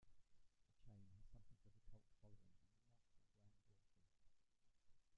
The chain has something of a cult following and remarkable brand loyalty.